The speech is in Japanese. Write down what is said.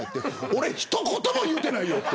俺一言も言ってないよ